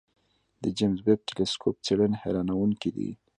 د جیمز ویب ټېلسکوپ څېړنې حیرانوونکې دي.